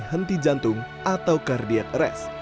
henti jantung atau kardiek res